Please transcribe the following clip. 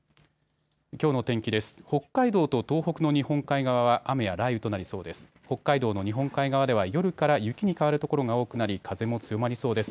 きょうの天気です。